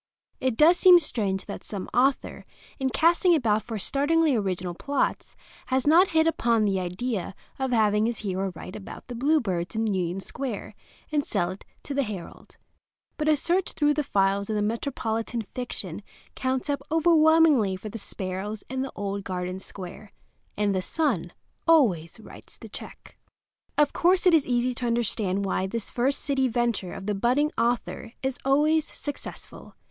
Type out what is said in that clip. It does seem strange that some author, in casting about for startlingly original plots, has not hit upon the idea of having his hero write about the bluebirds in Union Square and sell it to the Herald. But a search through the files of metropolitan fiction counts up overwhelmingly for the sparrows and the old Garden Square, and the Sun always writes the check. Of course it is easy to understand why this first city venture of the budding author is always successful.